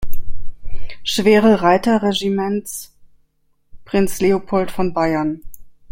Schwere-Reiter-Regiments, Prinz Leopold von Bayern.